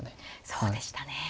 そうでしたね。